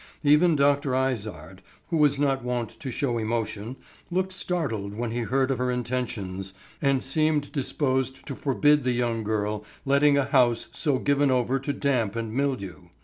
Even Dr. Izard, who was not wont to show emotion, looked startled when he heard of her intentions, and seemed disposed to forbid the young girl letting a house so given over to damp and mildew.